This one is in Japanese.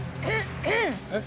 えっ？